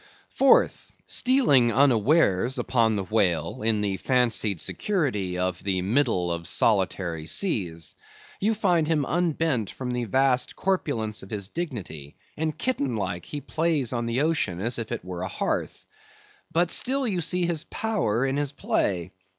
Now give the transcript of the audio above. Fourth: Stealing unawares upon the whale in the fancied security of the middle of solitary seas, you find him unbent from the vast corpulence of his dignity, and kitten like, he plays on the ocean as if it were a hearth. But still you see his power in his play.